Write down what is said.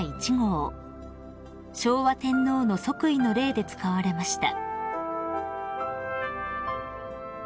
［昭和天皇の即位の礼で使われました］